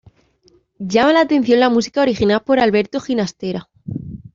Llama la atención la música original por Alberto Ginastera.